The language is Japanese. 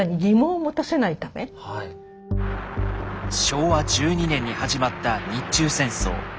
昭和１２年に始まった日中戦争。